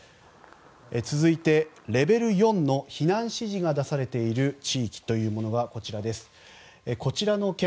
続いて、レベル４の避難指示が出されている地域というのはこちらの県。